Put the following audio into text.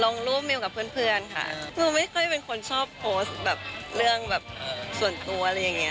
ลองรูปมิวกับเพื่อนค่ะมันไม่ค่อยเป็นคนชอบพอสต์แบบเรื่องแบบส่วนตัวอะไรอย่างนี้ค่ะ